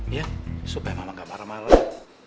iya supaya mama nggak marah marah